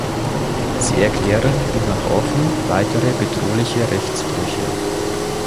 Sie erklären nun auch offen weitere bedrohliche Rechtsbrüche.